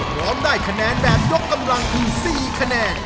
พร้อมได้คะแนนแบบยกกำลังคือ๔คะแนน